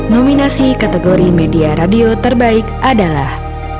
nominasi kategori media radio terbaik adalah